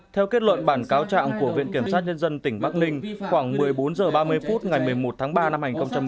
theo kết luận bản cáo trạng của viện kiểm sát nhân dân tỉnh bắc ninh khoảng một mươi bốn h ba mươi phút ngày một mươi một tháng ba năm hai nghìn hai mươi